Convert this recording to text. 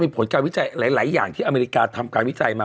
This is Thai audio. ผลการวิจัยหลายอย่างที่อเมริกาทำการวิจัยมา